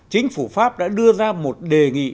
chính phủ pháp đã đưa ra một đề nghị